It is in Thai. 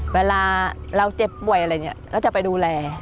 เวลาเราเจ็บป่วยอะไรอย่างนี้ก็จะไปดูแล